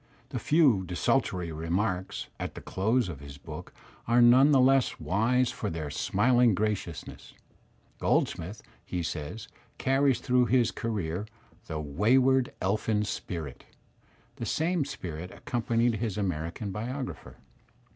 The ''few desultory remarks'' at the close of his book are none the less wise for their smiling gradousness. Goldsmith, he says, carries throughout his career ''the wayward elfin spirit.'' The same spirit accompanied his American biographer.